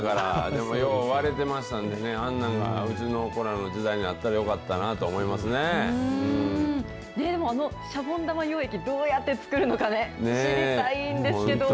でもよう割れてましたんでね、あんなんがうちの子らの時代にあっでも、あのシャボン玉溶液、どうやって作るのか、知りたいんですけど。